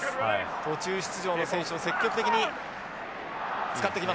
途中出場の選手を積極的に使っていきます。